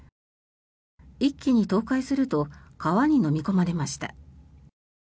一気に倒壊すると川にのみ込まれました。